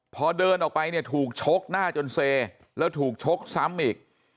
พอเดินออกไปเนี่ยถูกชกหน้าจนเซแล้วถูกชกซ้ำอีก